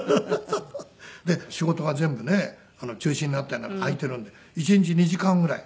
仕事が全部ね中止になったり空いてるので１日２時間ぐらい。